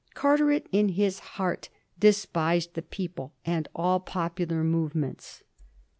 Carteret in his heart despised the people and all popu lar movements.